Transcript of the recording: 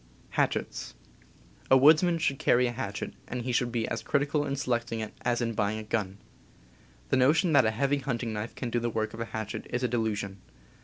A woodsman should carry a hatchet, and he should be as critical in selecting it as in buying a gun. The „ notion that a heavy hunting knife can do the work of a hatchet is a delusion.